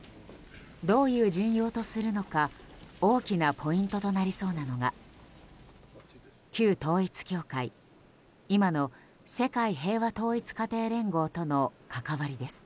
どういう陣容とするのか大きなポイントとなりそうなのが旧統一教会今の世界平和統一家庭連合との関わりです。